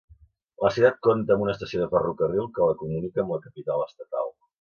La ciutat compta amb una estació de ferrocarril que la comunica amb la capital estatal.